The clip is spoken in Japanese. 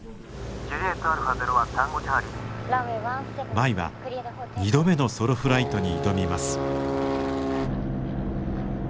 舞は２度目のソロフライトに挑みます。